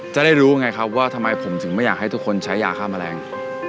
จะได้รู้ไงครับว่าทำไมผมถึงไม่อยากให้ทุกคนใช้ยาฆ่าแมลง